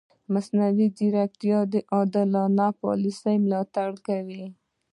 مصنوعي ځیرکتیا د عادلانه پالیسي ملاتړ کوي.